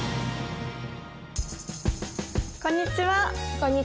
こんにちは。